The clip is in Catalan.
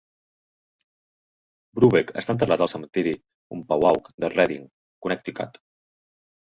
Brubeck està enterrat al cementiri Umpawaug de Redding, Connecticut.